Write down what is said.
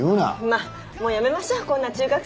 まあもうやめましょうこんな中学生みたいな会話。